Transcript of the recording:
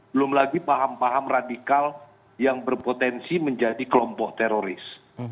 belum lagi paham paham radikal yang berpotensi menjadi kelompok teroris